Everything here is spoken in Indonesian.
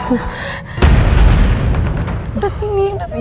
udah sini udah sini